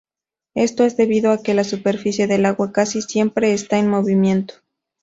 Esto es debido a que la superficie del agua casi siempre está en movimiento.